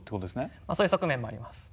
まあそういう側面もあります。